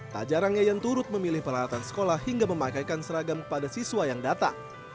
tak jarang yayan turut memilih peralatan sekolah hingga memakaikan seragam kepada siswa yang datang